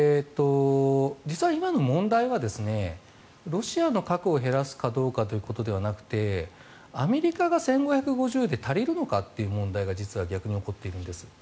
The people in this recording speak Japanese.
実は今の問題はロシアの核を減らすかどうかということではなくてアメリカが１５５０で足りるのかという問題が実は逆に起こっているんです。